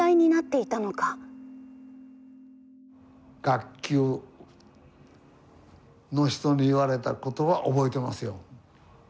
学級の人に言われたことは覚えてますよ。